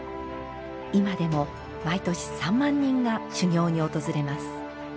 今でも毎年３万人が修行に訪れます。